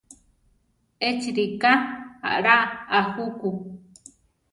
Échi ríka aʼlá a juku.